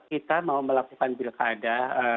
kita mau melakukan pilkada